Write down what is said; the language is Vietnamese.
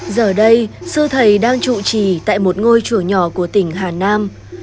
giờ đây sư thầy đang trụ trì tại một ngôi chùa nhỏ của tỉnh hà nam